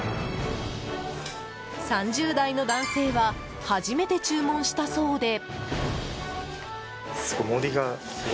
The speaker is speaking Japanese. ３０代の男性は初めて注文したそうで。